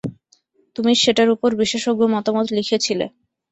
তুমি সেটার ওপর বিশেষজ্ঞ মতামত লিখেছিলে।